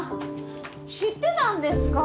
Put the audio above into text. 知ってたんですか？